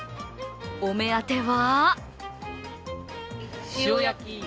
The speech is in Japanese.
お目当ては？